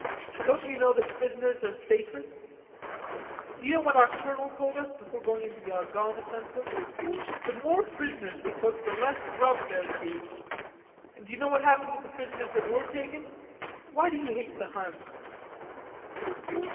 "Don't you know that prisoners are sacred?" "D'you know what our colonel told us before going into the Argonne offensive? The more prisoners we took, the less grub there'ld be; and do you know what happened to the prisoners that were taken? Why do you hate the Huns?"